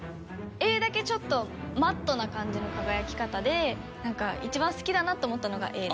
Ａだけちょっとマットな感じの輝き方で一番好きだなと思ったのがＡでした。